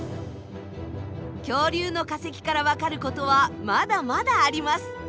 恐竜の化石からわかることはまだまだあります。